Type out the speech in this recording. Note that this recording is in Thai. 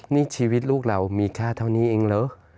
นี่ชีวิตลูกเรามีค่าเท่านี้เองเหรอ